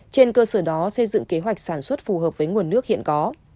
trên cơ sở đó xây dựng kế hoạch sản xuất phù hợp với nguồn nước hiện có